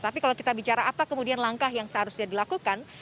tapi kalau kita bicara apa kemudian langkah yang seharusnya dilakukan